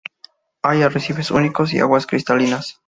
Hay arrecifes únicos y aguas cristalinas.